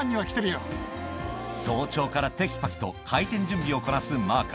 早朝からテキパキと開店準備をこなすマーカ